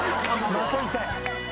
まといたい！